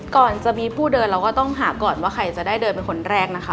ก่อนจะมีผู้เดินเราก็ต้องหาก่อนว่าใครจะได้เดินเป็นคนแรกนะคะ